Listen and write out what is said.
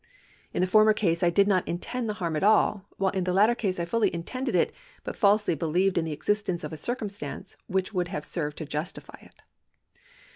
In the former case I did not intend the harm at all, while in the latter case I fully intended it, but falsely believed in the existence of a circumstance which would have served to justify it.